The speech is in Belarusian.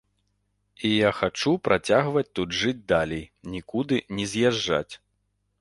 І я хачу працягваць тут жыць далей, нікуды не з'язджаць.